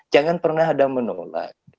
jangan pernah ada menolak